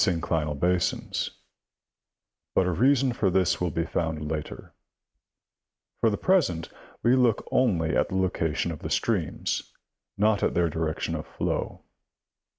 synclinal basins, but a reason for this will be found later ; for the present we look only at the location of the streams, not at their direction of flow.